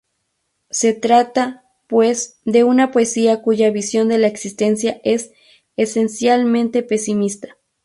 Se trata, pues, de una poesía cuya visión de la existencia es, esencialmente, pesimista.